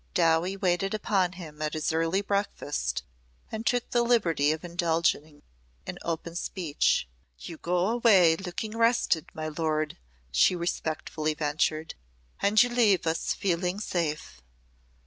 Dowie waited upon him at his early breakfast and took the liberty of indulging in open speech. "You go away looking rested, my lord," she respectfully ventured. "And you leave us feeling safe."